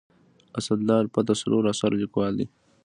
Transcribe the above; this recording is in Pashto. اسدالله الفت د څلورو اثارو لیکوال دی.